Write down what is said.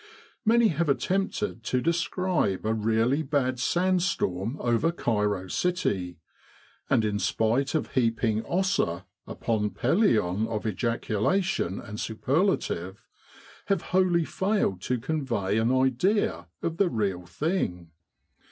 Many have attempted to describe a really bad sand storm over Cairo City, and in spite of heaping Ossa upon Pelion of ejacula tion and superlative, have wholly failed to convey an idea of the real thing.